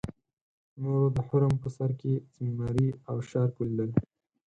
نورو د هرم په سر کې زمري او شارک ولیدل.